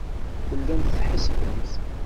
Tellamt tḥessbemt.